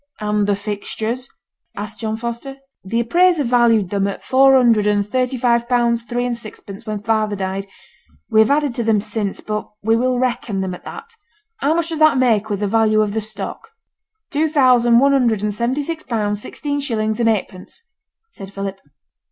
'And the fixtures?' asked John Foster. 'The appraiser valued them at four hundred and thirty five pounds three and sixpence when father died. We have added to them since, but we will reckon them at that. How much does that make with the value of the stock?' 'Two thousand one hundred and seventy six pounds, sixteen shillings and eightpence,' said Philip.